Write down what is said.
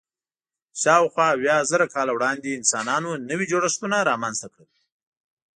شاوخوا اویا زره کاله وړاندې انسانانو نوي جوړښتونه رامنځ ته کړل.